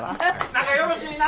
仲よろしいな。